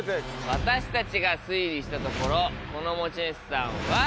私たちが推理したところこの持ち主さんは。